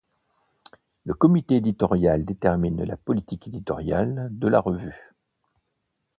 Le Comité éditorial détermine la politique éditoriale de la revue.